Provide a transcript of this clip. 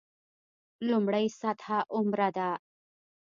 لومړۍ سطح عمره ده.